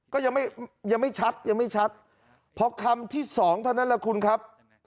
ก็ยังไม่ชัดเพราะคำที่๒เท่านั้นแหละครับ